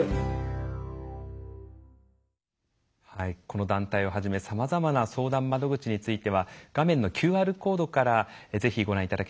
この団体をはじめさまざまな相談窓口については画面のＱＲコードからぜひご覧頂ければと思います。